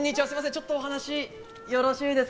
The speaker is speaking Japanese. ちょっとお話よろしいです？